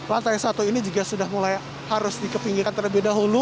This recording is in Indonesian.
lantai satu ini juga sudah mulai harus dikepinggikan terlebih dahulu